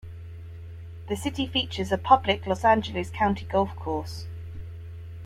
The city features a public Los Angeles County golf course.